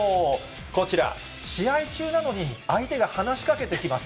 こちら、試合中なのに相手が話しかけてきます。